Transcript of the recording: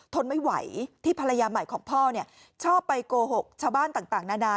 ทนไม่ไหวที่ภรรยาใหม่ของพ่อชอบไปโกหกชาวบ้านต่างนานา